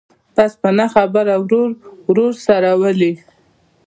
بس په نه خبره ورور او ورور سره ولي.